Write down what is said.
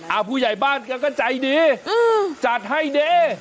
อ่าผู้ใหญ่บ้านก็ใจดีจัดให้ดิ